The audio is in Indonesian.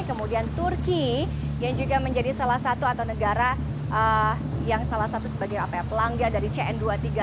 kemudian turki yang juga menjadi salah satu atau negara yang salah satu sebagai pelanggan dari cn dua ratus tiga puluh